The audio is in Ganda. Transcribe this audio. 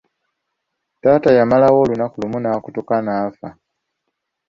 Taata yamalawo olunaku lumu n’akutuka n'afa.